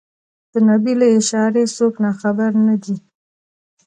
د نبي له اشارې څوک ناخبر نه دي.